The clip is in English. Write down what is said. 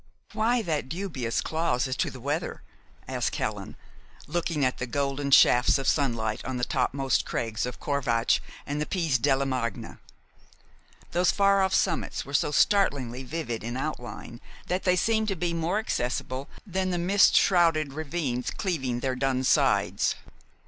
"Why that dubious clause as to the weather?" asked Helen, looking at the golden shafts of sunlight on the topmost crags of Corvatsch and the Piz della Margna. Those far off summits were so startlingly vivid in outline that they seemed to be more accessible than the mist shrouded ravines cleaving their dun sides.